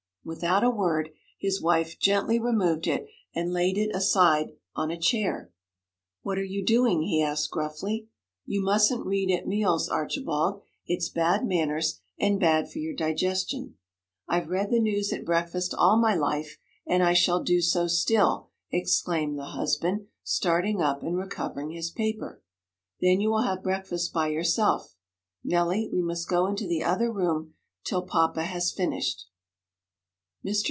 Without a word, his wife gently removed it, and laid it aside on a chair. 'What are you doing?' he asked gruffly. 'You mustn't read at meals, Archibald. It's bad manners, and bad for your digestion.' 'I've read the news at breakfast all my life, and I shall do so still,' exclaimed the husband, starting up and recovering his paper. 'Then you will have breakfast by yourself. Nelly, we must go into the other room till papa has finished.' Mr.